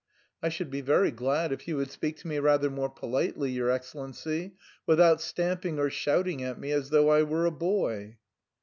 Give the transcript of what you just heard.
"I should be very glad if you would speak to me rather more politely, your Excellency, without stamping or shouting at me as though I were a boy."